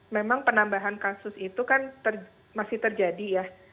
memang penambahan kasus itu kan masih terjadi ya